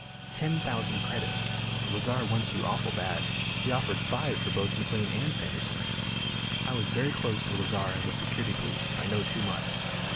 Ten thousand credits. Lazar wants you awful bad. He offered five for both McLean and Sanderson." "I was very close to Lazar in the Security Police. I know too much."